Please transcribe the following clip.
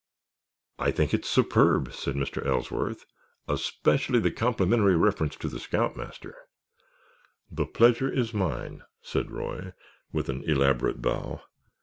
"I think it's superb," said Mr. Ellsworth, "especially the complimentary reference to the scoutmaster." "The pleasure is mine," said Roy, with an elaborate bow.